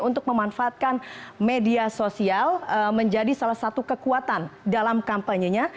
untuk memanfaatkan media sosial menjadi salah satu kekuatan dalam kampanyenya